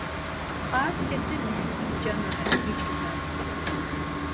Ar kefini giç̌anoren, giçkit̆as!